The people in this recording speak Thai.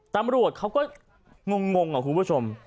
ตำรวจเขาก็งงอะคุณผู้ชม